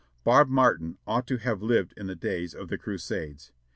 Bob Martin ought to have lived in the days of the Crusades.